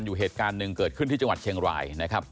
อยู่เหตุการณ์หนึ่งเกิดขึ้นที่จังหวัดเชียงรายนะครับ